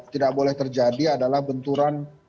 tidak boleh terjadi adalah benturan